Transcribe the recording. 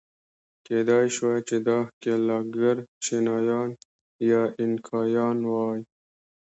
کېدای شوای چې دا ښکېلاکګر چینایان یا اینکایان وای.